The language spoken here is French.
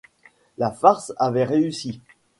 La farce avait réussi.